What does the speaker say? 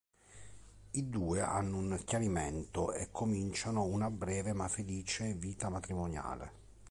I due hanno un chiarimento e cominciano una breve ma felice vita matrimoniale.